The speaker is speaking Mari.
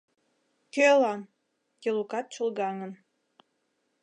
«Кӧлан?» — Елукат чолгаҥын.